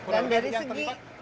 dan dari segi